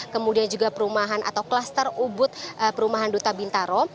kemudian juga perumahan atau kluster ubud perumahan duta bintaro